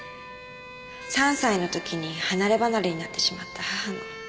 ３歳のときに離れ離れになってしまった母の